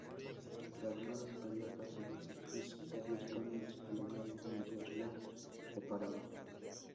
La Armada Imperial Japonesa hizo varios cambios a la nave mientras la reparaban.